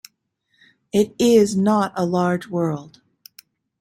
It is not a large world.